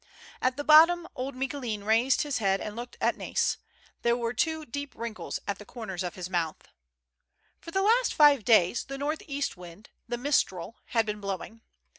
At the bottom old Micoulin raised his head and looked at Nais ; there were two deep wrinkles at the corners of his mouth. For the last five days the north east wind, the mistral, had been blowing.